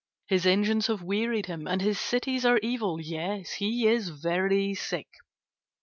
His engines have wearied him and his cities are evil. Yes, he is very sick.